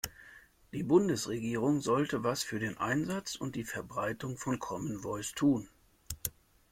Die Bundesregierung sollte was für den Einsatz und die Verbreitung von Common Voice tun.